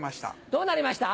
どうなりました？